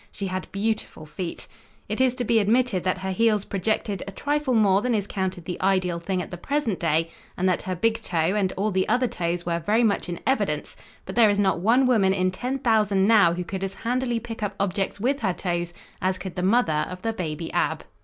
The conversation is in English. She had beautiful feet. It is to be admitted that her heels projected a trifle more than is counted the ideal thing at the present day, and that her big toe and all the other toes were very much in evidence, but there is not one woman in ten thousand now who could as handily pick up objects with her toes as could the mother of the baby Ab.